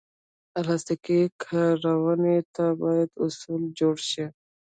پلاستيکي کارونې ته باید اصول جوړ شي.